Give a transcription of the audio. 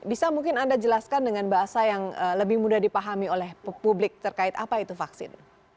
bisa mungkin anda jelaskan dengan bahasa yang lebih mudah dipahami oleh publik terkait apa itu vaksin